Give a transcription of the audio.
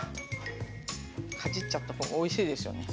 かじっちゃった方がおいしいですよね。